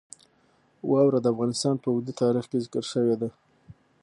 واوره د افغانستان په اوږده تاریخ کې ذکر شوې ده.